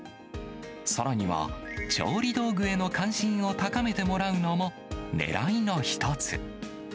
さらには、調理道具への関心を高めてもらうのもねらいの一つ。